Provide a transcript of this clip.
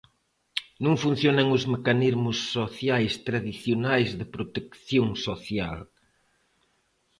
Non funcionan os mecanismos sociais tradicionais de protección social.